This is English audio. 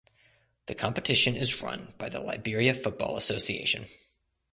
The competition is run by the Liberia Football Association.